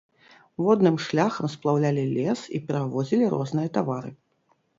Водным шляхам сплаўлялі лес і перавозілі розныя тавары.